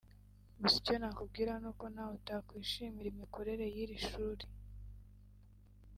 Gusa icyo nakubwira nuko ntawe utakwishimira imikorere y’iri shuri